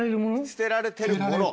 捨てられてるもの。